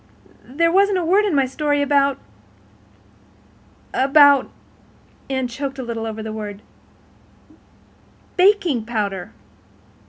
There wasn't a word in my story about—about—" Anne choked a little over the word—"baking powder."